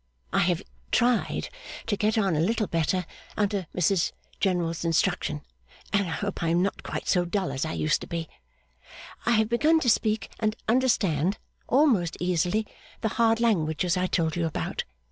I have tried to get on a little better under Mrs General's instruction, and I hope I am not quite so dull as I used to be. I have begun to speak and understand, almost easily, the hard languages I told you about.